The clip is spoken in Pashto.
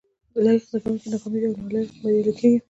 لايق زده کوونکي ناکامېږي او نالايق بريالي کېږي